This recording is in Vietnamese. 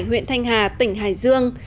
huyện thanh hà tỉnh hải dương